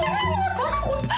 ちょっと。